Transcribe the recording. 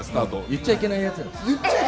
言っちゃいけないやつ。